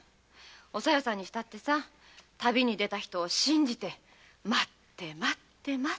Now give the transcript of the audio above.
小夜さんにしたって旅に出た人を信じて待って待って待って。